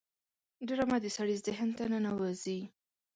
ډرامه د سړي ذهن ته ننوزي